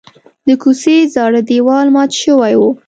د کوڅې زاړه دیوال مات شوی و.